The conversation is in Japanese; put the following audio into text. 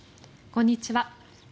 こんにちは。